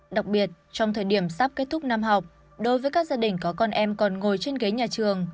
đặc biệt trong thời điểm sắp kết thúc năm học đối với các gia đình có con em còn ngồi trên ghế nhà trường